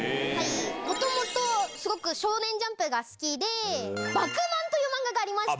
もともとすごく少年ジャンプが好きで、バクマン。という漫画がありまして。